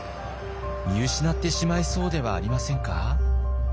見失ってしまいそうではありませんか？